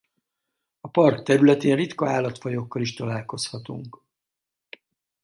A park területén ritka állatfajokkal is találkozhatunk.